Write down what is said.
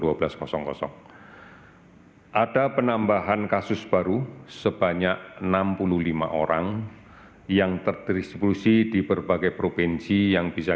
hai ada penambahan kasus baru sebanyak enam puluh lima orang yang terdisklusi di berbagai provinsi yang bisa